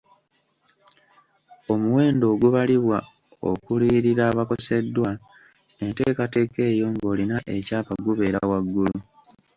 Omuwendo ogubalibwa okuliyirira abakoseddwa enteekateeka eyo ng’olina ekyapa gubeera waggulu.